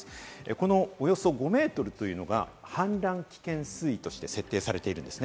このおよそ５ｍというのが氾濫危険水位として設定されています。